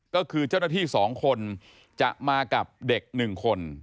ก็คือเจ้าหน้าที่๒คนจะมากับเด็ก๑คน